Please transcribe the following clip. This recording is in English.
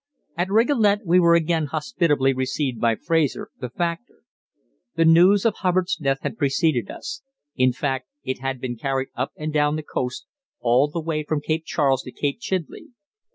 At Rigolet we were again hospitably received by Fraser, the factor. The news of Hubbard's death had preceded us; in fact it had been carried up and down the coast all the way from Cape Charles to Cape Chidley.